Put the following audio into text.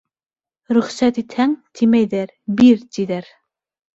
«Рөхсәт итһәң», тимәйҙәр, «бир» тиҙәр.